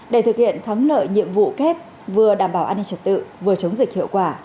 để thực hiện thắng lợi nhiệm vụ kép vừa đảm bảo an ninh trật tự vừa chống dịch hiệu quả